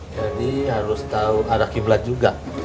jadi harus tahu ada qiblat juga